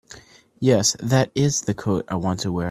Yes, that IS the coat I want to wear.